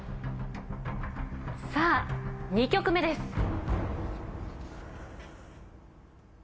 さあ２曲目です。